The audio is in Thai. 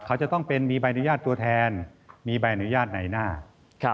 เขาจะต้องเป็นมีใบอนุญาตตัวแทนมีใบอนุญาตในหน้า